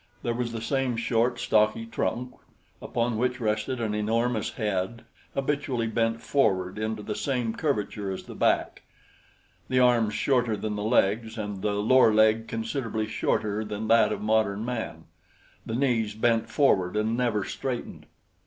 There was the same short, stocky trunk upon which rested an enormous head habitually bent forward into the same curvature as the back, the arms shorter than the legs, and the lower leg considerably shorter than that of modern man, the knees bent forward and never straightened.